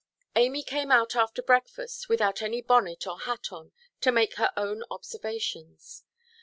Amy came out after breakfast, without any bonnet or hat on, to make her own observations.